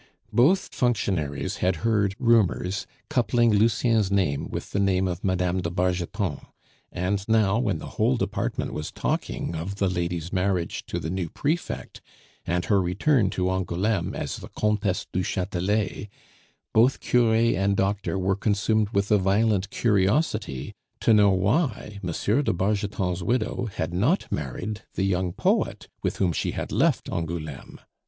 Both functionaries had heard rumors coupling Lucien's name with the name of Mme. de Bargeton; and now when the whole department was talking of the lady's marriage to the new Prefect and her return to Angouleme as the Comtesse du Chatelet, both cure and doctor were consumed with a violent curiosity to know why M. de Bargeton's widow had not married the young poet with whom she had left Angouleme.